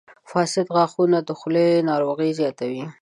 • فاسد غاښونه د خولې ناروغۍ زیاتوي.